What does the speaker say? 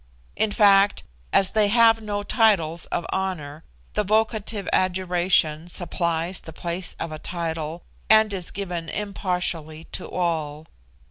In fact, as they have no titles of honour, the vocative adjuration supplies the place of a title, and is given impartially to all.